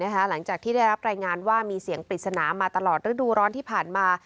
หลังจากที่ได้รับรายงานว่ามีเสียงปริศนามาตลอดฤดูร้อนที่ผ่านมา